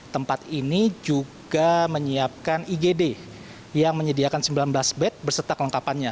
tempat ini juga menyiapkan igd yang menyediakan sembilan belas bed berserta kelengkapannya